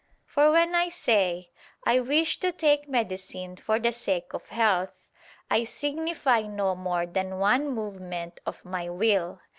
For when I say: "I wish to take medicine for the sake of health," I signify no more than one movement of my will.